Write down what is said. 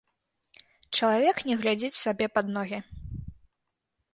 Чалавек не глядзіць сабе пад ногі.